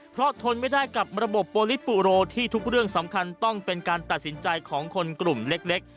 เพราะทนไม่ได้กับระบบโปรลิปุโรที่ทุกเรื่องสำคัญต้องเป็นการตัดสินใจของคนกลุ่มเล็ก